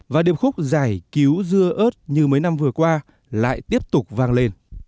và điệp khúc giải cứu dưa ớt như mấy năm vừa qua lại tiếp tục vang lên